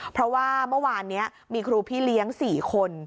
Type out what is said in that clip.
เพราะว่าเมื่อวานนี้มีครูพี่เลี้ยง๔คน